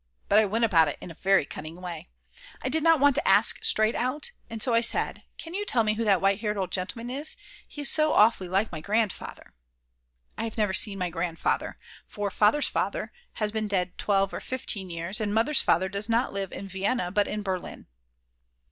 But I went about it in a very cunning way, I did not want to ask straight out, and so I said: Can you tell me who that white haired old gentleman is, he is so awfully like my Grandfather. (I have never see my Grandfather, for Father's Father has been dead 12 or 15 years, and Mother's Father does not live in Vienna but in Berlin.)